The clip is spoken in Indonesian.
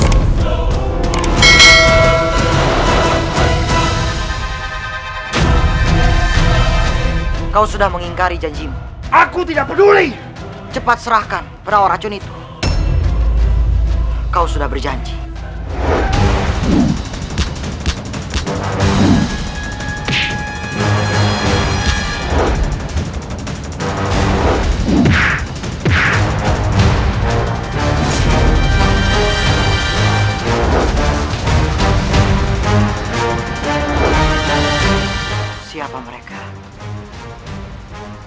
latihnya sepetah palih itu lagi kalau sekurang k duanya kita ke proportion video ini terlihat kejam together transition jagtailah tas mohok luffy dan his maskiness